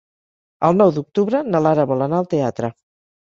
El nou d'octubre na Lara vol anar al teatre.